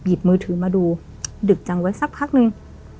มือถือมาดูดึกจังไว้สักพักนึง